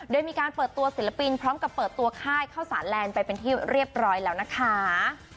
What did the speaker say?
โดยมีการเปิดตัวศิลปินพร้อมกับเปิดตัวค่ายข้าวสารแลนด์ไปเป็นที่เรียบร้อยแล้วนะคะ